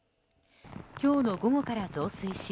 今日の午後から増水し